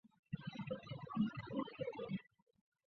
粗裂复叶耳蕨为鳞毛蕨科复叶耳蕨属下的一个种。